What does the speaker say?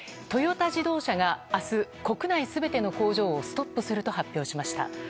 トヨタ自動車が明日、国内全ての工場をストップすると発表しました。